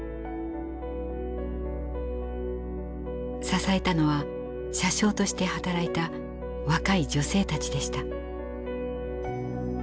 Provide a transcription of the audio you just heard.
支えたのは車掌として働いた若い女性たちでした。